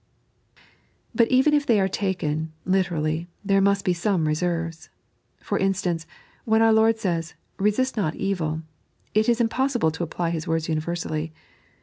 But even if they are taken literally there must be some reserves. For instance, when our Lord says, Se»i»t not evU, it is impossible to apply His words umversally.